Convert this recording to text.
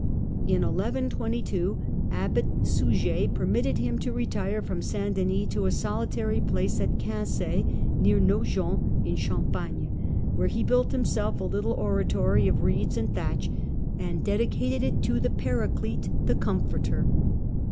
In 1122 Abbot Suger permitted him to retire from St Denis to a solitary place at Quincey, near Nogent in Champagne, where he built himself a little oratory of reeds and thatch, and dedicated it to the " Paraclete," the " Comforter."